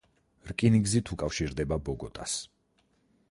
რკინიგზით უკავშირდება ბოგოტას.